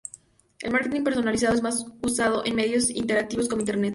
El marketing personalizado es más usado en medios interactivos como internet.